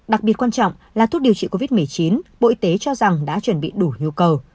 đặc biệt quan trọng là thuốc điều trị covid một mươi chín bộ y tế cho rằng đã chuẩn bị đủ nhu cầu